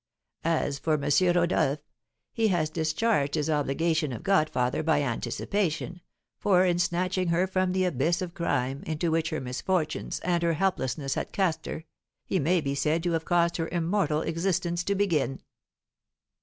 As for M. Rodolph, he has discharged his obligation of godfather by anticipation, for, in snatching her from the abyss of crime into which her misfortunes and her helplessness had cast her, he may be said to have caused her immortal existence to begin."